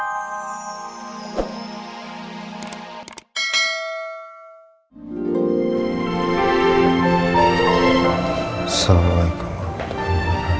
assalamualaikum warahmatullahi wabarakatuh